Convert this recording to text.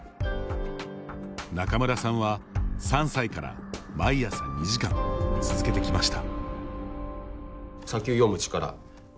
仲邑さんは３歳から毎朝２時間続けてきました。